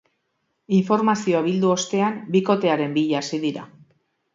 Informazioa bildu ostean, bikotearen bila hasi dira.